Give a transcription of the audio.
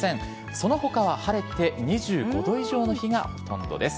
その他は晴れて２５度以上の日がほとんどです。